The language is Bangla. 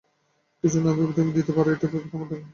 কিছু না ভেবেই তুমি দিতে পার এইটেতেই তো তোমার দানের দাম।